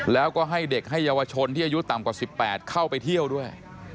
แล้วก็ให้เด็กให้เยาวชนที่อายุต่ำกว่า๑๘เข้าไปเที่ยวด้วย